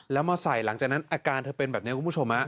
แล้วมาใส่หลังจากนั้นอาการเธอเป็นแบบนี้คุณผู้ชม